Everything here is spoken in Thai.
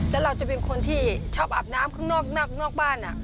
แล้วเราจะเป็นคนที่ชอบอาบน้ำข้างนอกบ้าน